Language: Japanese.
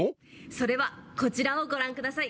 それはこちらをご覧下さい。